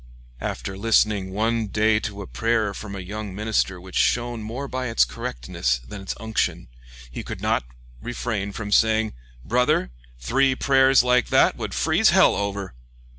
After listening one day to a prayer from a young minister which shone more by its correctness than its unction, he could not refrain from saying, "Brother , three prayers like that would freeze hell over!"